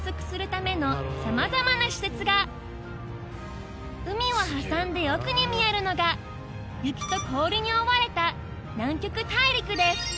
ここには海を挟んで奥に見えるのが雪と氷に覆われた南極大陸です